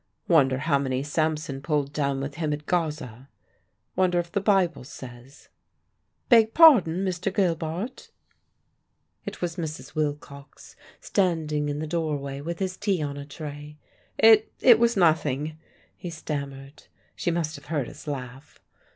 Wonder how many Samson pulled down with him at Gaza? Wonder if the Bible says? "Beg pardon, Mr. Gilbart?" It was Mrs. Wilcox standing in the doorway with his tea on a tray. "It it was nothing," he stammered. She must have heard his laugh.